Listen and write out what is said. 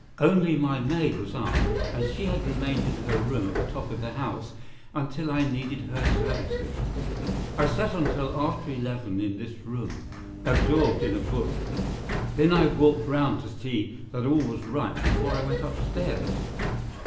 Only my maid was up, and she had remained in her room at the top of the house until I needed her services. I sat until after eleven in this room, absorbed in a book. Then I walked round to see that all was right before I went upstairs.